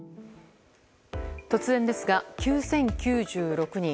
突然ですが、９０９６人。